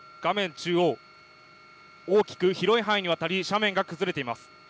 中央、大きく広い範囲にわたり斜面が崩れています。